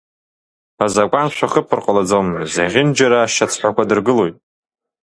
Азакәан шәахыԥар ҟалаӡом, зехьынџьара ашьацҳәақәа дыргылоит!